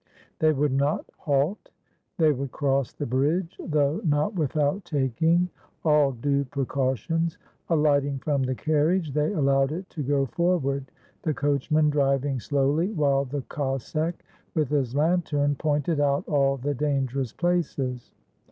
They would not halt; they would cross the bridge though not without taking all due precautions. Alighting from the carriage, they allowed it to go forward, the coachman driving slowly, while the Cossack, with his lantern, pointed out all the dangerous places.